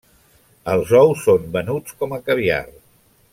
Els ous són venuts com a caviar.